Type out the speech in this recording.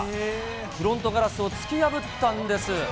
フロントガラスを突き破ったんです。